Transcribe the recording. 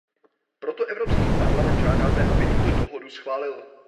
Proto Evropský parlament žádáme, aby tuto dohodu schválil.